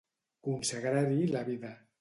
Consagrar-hi la vida.